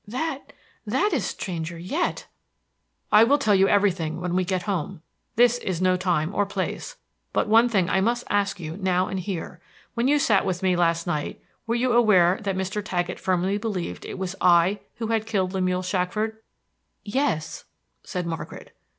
"That that is stranger yet!" "I will tell you everything when we get home; this is no time or place; but one thing I must ask you now and here. When you sat with me last night were you aware that Mr. Taggett firmly believed it was I who had killed Lemuel Shackford?" "Yes," said Margaret.